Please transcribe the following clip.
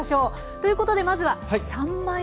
ということでまずは三枚おろし。